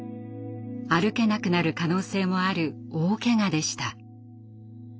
歩けなくなる可能性もある大けがでした。